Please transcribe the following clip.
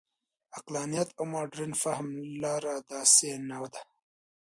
د عقلانیت او مډرن فهم لاره داسې نه ده.